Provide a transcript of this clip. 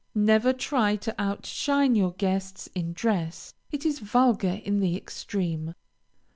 Never try to outshine your guests in dress. It is vulgar in the extreme.